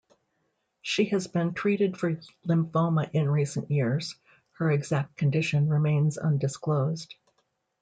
She has been treated for lymphoma in recent years; her exact condition remains undisclosed.